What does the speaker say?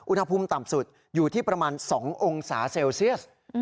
อุณหภูมิต่ำสุดอยู่ที่ประมาณ๒องศาเซลเซียส